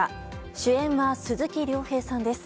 主演は鈴木亮平さんです。